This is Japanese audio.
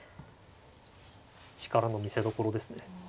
力の見せどころですね。